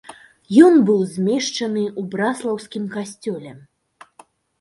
Ён быў змешчаны ў браслаўскім касцёле.